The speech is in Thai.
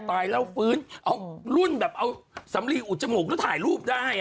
ตายแล้วฟื้นเอารุ่นแบบเอาสำลีอุดจมูกแล้วถ่ายรูปได้